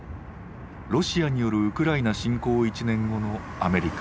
ロシアによるウクライナ侵攻１年後のアメリカ。